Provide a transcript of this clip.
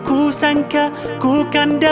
bersih pak ustadz